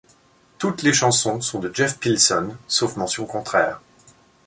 Toutes les chansons sont de Jeff Pilson, sauf mention contraire.